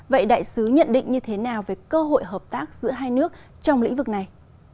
vậy đại sứ nhận định như thế nào về cơ hội hợp tác giữa hai nước trong lĩnh vực này